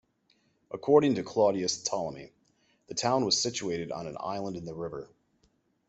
According to Claudius Ptolemy, the town was situated on an island in the river.